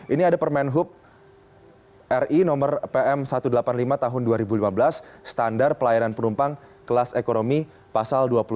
ini ada permen hub ri nomor pm satu ratus delapan puluh lima tahun dua ribu lima belas standar pelayanan penumpang kelas ekonomi pasal dua puluh lima